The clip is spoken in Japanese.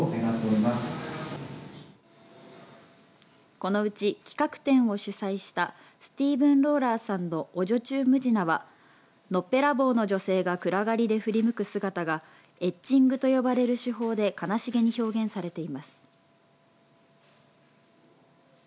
このうち企画展を主催したスティーブン・ローラーさんのお女中はのっぺらぼうの女性が暗がりで振り向く姿がエッチングと呼ばれる手法で悲しげに表現されています。